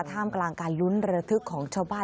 ท่ามกลางการลุ้นระทึกของชาวบ้าน